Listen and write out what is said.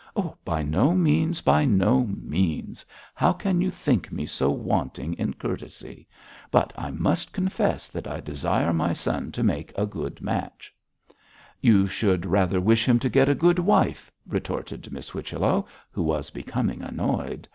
'By no means; by no means; how can you think me so wanting in courtesy? But I must confess that I desire my son to make a good match.' 'You should rather wish him to get a good wife,' retorted Miss Whichello, who was becoming annoyed.